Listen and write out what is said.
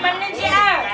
buat gimana sih ah